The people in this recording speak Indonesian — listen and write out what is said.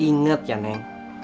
ingat ya neng